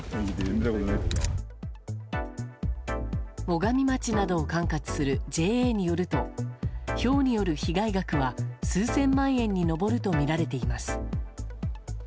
最上町などを管轄するＪＡによるとひょうによる被害額は数千万円に上るとみられています。